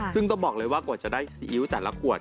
ซึ่งต้องบอกเลยว่ากว่าจะได้ซีอิ๊วแต่ละขวด